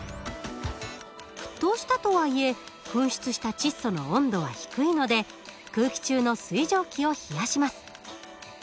沸騰したとはいえ噴出した窒素の温度は低いので空気中の水蒸気を冷やします。